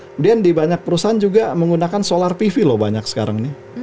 kemudian di banyak perusahaan juga menggunakan solar pv loh banyak sekarang ini